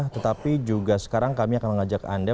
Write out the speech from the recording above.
tetapi juga sekarang kami akan mengajak anda